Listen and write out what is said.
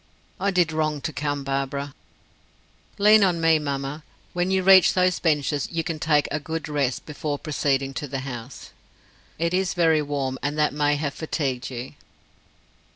"I did wrong to come, Barbara." "Lean on me, mamma. When you reach those benches, you can take a good rest before proceeding to the house. It is very warm, and that may have fatigued you."